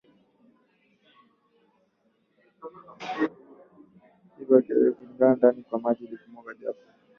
Hivyo akajiandaa kuingia ndani ya maji ili kumwokoa Jacob